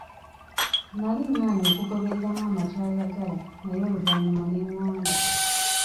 Nnali ngaanye okugoberera maama kyayagala naye oluvannyuma ne ngonda.